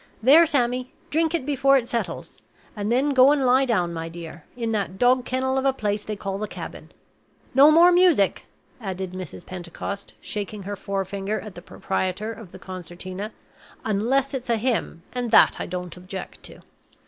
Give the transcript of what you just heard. There, Sammy! drink it before it settles; and then go and lie down, my dear, in that dog kennel of a place they call the cabin. No more music!" added Mrs. Pentecost, shaking her forefinger at the proprietor of the concertina "unless it's a hymn, and that I don't object to."